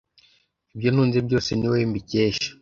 ibyo ntunze byose, ni wowe mbikesha